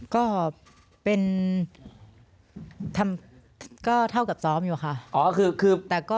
ก็เท่ากับซอฟัพอยู่ค่ะ